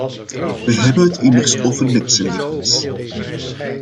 We hebben het immers over mensenlevens.